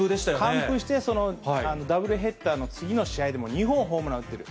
完封して、ダブルヘッダーの次の試合でも２本ホームラン打っている。